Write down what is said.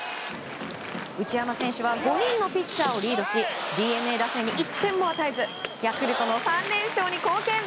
内山選手は５人のピッチャーをリードしＤｅＮＡ打線に１点も与えずヤクルトの３連勝に貢献。